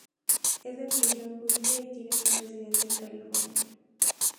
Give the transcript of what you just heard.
Es de religión judía, y tiene su residencia en California.